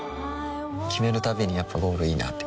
決めるたびにやっぱゴールいいなってふん